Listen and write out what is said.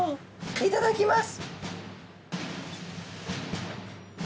いただきます。